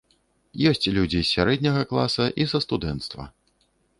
Ёсць людзі з сярэдняга класа і са студэнцтва.